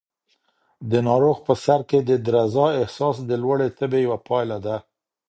د ناروغ په سر کې د درزا احساس د لوړې تبې یوه پایله ده.